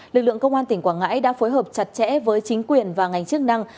lực lượng công an tỉnh quảng ngãi đã phối hợp chặt chẽ với chính quyền và ngành chức năng